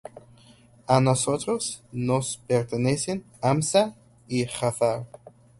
A nosotros nos pertenecen Hamza y Jafar.